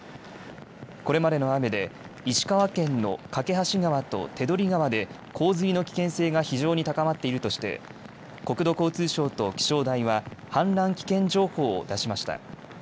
これまでの雨で石川県の梯川と手取川で洪水の危険性が非常に高まっているとして国土交通省と気象台は氾濫危険情報を出しました。